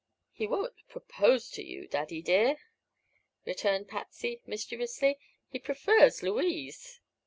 "He won't propose to you, Daddy dear," returned Patsy, mischievously; "he prefers Louise."